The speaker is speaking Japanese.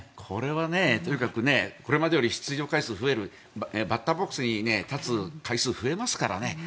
これは、とにかくこれまでより出場回数が増えるバッターボックスに立つ回数が増えますからね。